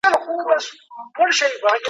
زده کوونکي باید خپل افکار څرګند کړي.